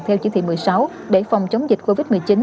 theo chỉ thị một mươi sáu để phòng chống dịch covid một mươi chín